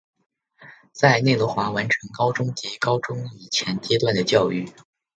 在内罗毕完成高中及高中以前阶段的教育。